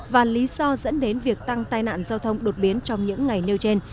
và lý do dẫn đến việc tăng tai nạn giao thông đột biến trong những ngày nêu trên